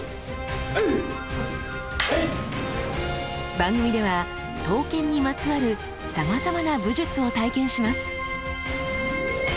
番組では刀剣にまつわるさまざまな武術を体験します。